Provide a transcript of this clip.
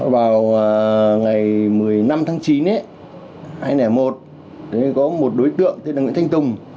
vào ngày một mươi năm tháng chín anh này một có một đối tượng tên là nguyễn thanh tùng